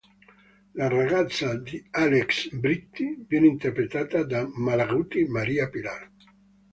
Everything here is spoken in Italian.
La ragazza di Alex Britti viene interpretata da Malaguti Maria Pilar.